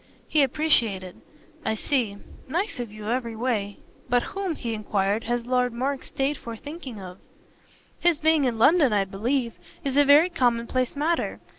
He appreciated. "I see. Nice of you every way. But whom," he enquired, "has Lord Mark stayed for thinking of?" "His being in London, I believe, is a very commonplace matter.